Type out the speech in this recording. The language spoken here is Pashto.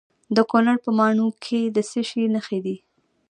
د کونړ په ماڼوګي کې د څه شي نښې دي؟